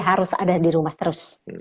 harus ada di rumah terus